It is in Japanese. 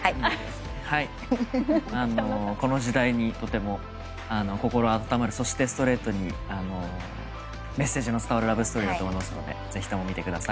この時代にとても心温まるそしてストレートにメッセージの伝わるラブストーリーだと思いますのでぜひとも見てください。